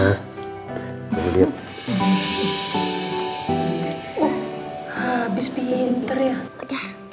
habis pinter ya